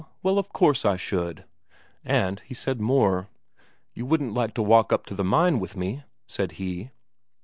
Well, of course I should." And he said more: "You wouldn't like to walk up to the mine with me?" said he.